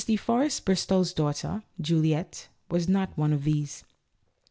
De Forrest Bristol's daughter Juliette was not one of these.